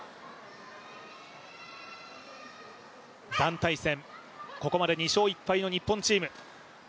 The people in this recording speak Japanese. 団体戦ここまで２勝１敗の日本チーム。